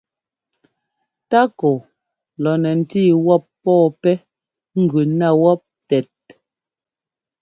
Tákɔ lɔ nɛ ńtí wɔ́p pɔ́ɔ pɛ́ gʉ ná wɔ́p tɛt.